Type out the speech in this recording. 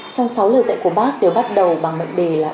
trong sáu lời dạy của bác đều bắt đầu bằng mệnh đề là